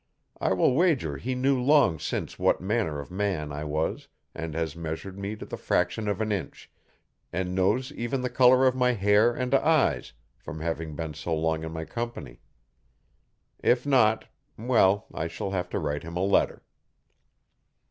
I will wager he knew long since what manner of man I was and has measured me to the fraction of an inch, and knows even the colour of my hair and eyes from having been so long in my company. If not well, I shall have to write him a letter.